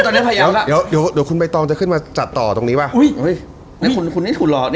ที่คุณรุ้นอย่างเนี้ยเออลืมพูด